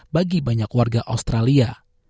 bagi banyak warga australia